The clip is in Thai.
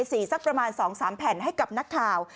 สักประมาณ๒๓แผ่นให้กับนักข่าว